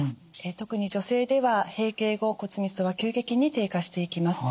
特に女性では閉経後骨密度が急激に低下していきます。